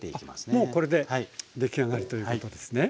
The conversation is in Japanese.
あっもうこれで出来上がりということですね。